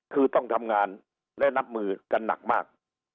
คือต้องทำงานและนับมือกันหนักมาก